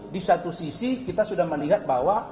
di satu sisi kita sudah melihat bahwa